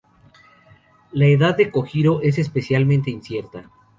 La edad de Kojiro es especialmente incierta.